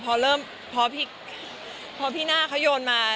พอพี่น่าเขาโยนมา